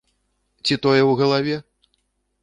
Ці тое ў галаве?